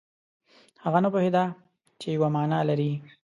هغه نه پوهېده چې یوه معنا لري.